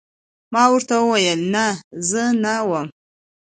ما ورته وویل: نه، زه نه وم.